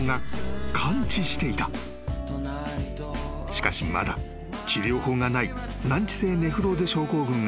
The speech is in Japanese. ［しかしまだ治療法がない難治性ネフローゼ症候群が残っていた］